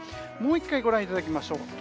もう１回、ご覧いただきましょう。